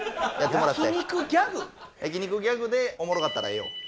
焼肉ギャグでおもろかったらええよ。